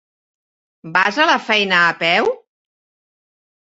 Vas a la feina a peu?